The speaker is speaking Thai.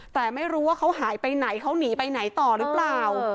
แต่ไม่รู้ว่าเขาหายไปไหนเขาหนีไปไหนต่อหรือเปล่า